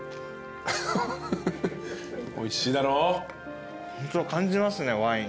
おいしいだろ？感じますねワイン。